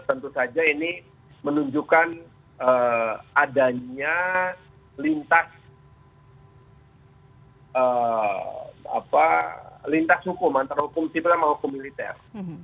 tentu saja ini menunjukkan adanya lintas hukuman terhukum tipis sama hukum militer